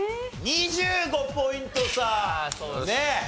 ２５ポイント差ねえ。